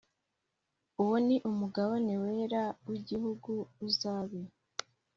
Uwo ni umugabane wera w igihugu uzabe